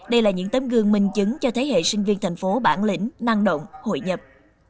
đây là những tấm gương minh chứng cho thế hệ sinh viên thành phố bản lĩnh năng động hội nhập